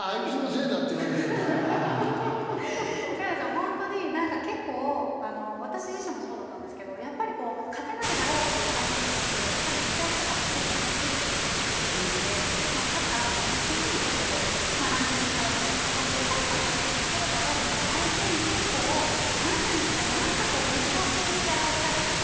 本当になんか結構私自身もそうだったんですけどやっぱりこう勝てないだろうという相手に対してやっぱり初戦とかって結構思いきってできたりするので勝ったあとに次にちょっとこうランキングが下だったりとかここでは絶対勝てるだろうみたいな相手に結構なんていうんですかねなんかこう難しい試合をしたりとか。